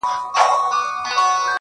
صحرايي چي ورته وکتل حیران سو؛